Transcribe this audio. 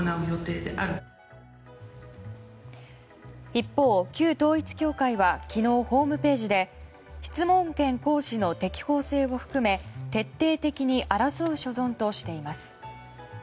一方、旧統一教会は昨日、ホームページで質問権行使の適法性を含め徹底的に争う所存としています。